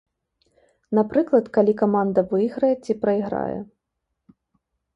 Напрыклад, калі каманда выйграе ці прайграе.